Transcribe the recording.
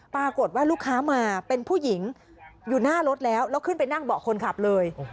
ปรากฏว่าลูกค้ามาเป็นผู้หญิงอยู่หน้ารถแล้วแล้วขึ้นไปนั่งเบาะคนขับเลย